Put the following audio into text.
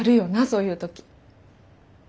そういう時。